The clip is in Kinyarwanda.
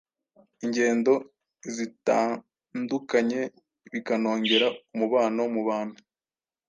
ingendo zitandukanye bikanongera umubano mu bantu,